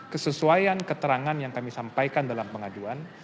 kesesuaian keterangan yang kami sampaikan dalam pengajuan